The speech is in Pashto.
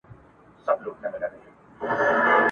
نوي جامې نه لرم زه نوي څپلۍ نه لرم ..